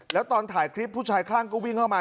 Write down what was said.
แล้วตอนถ่ายคลิปผู้ชายคลั่งก็วิ่งเข้ามา